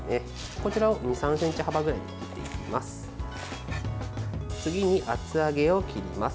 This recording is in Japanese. こちらを２３ｃｍ幅ぐらいに切っていきます。